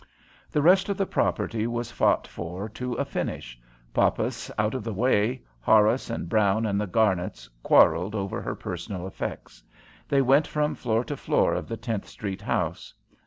The rest of the property was fought for to a finish. Poppas out of the way, Horace and Brown and the Garnets quarrelled over her personal effects. They went from floor to floor of the Tenth Street house.